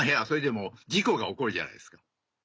それでも事故が起こるじゃないですか。